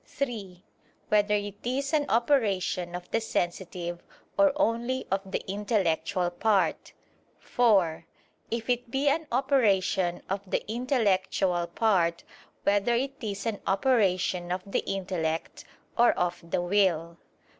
(3) Whether it is an operation of the sensitive, or only of the intellectual part? (4) If it be an operation of the intellectual part, whether it is an operation of the intellect, or of the will?